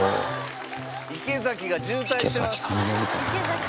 池崎が渋滞してます。